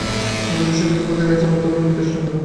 এই নবজাত শিশুটির প্রতি রাইচরণের অত্যন্ত বিদ্বেষ জন্মিল।